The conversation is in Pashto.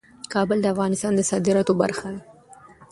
کابل د افغانستان د صادراتو برخه ده.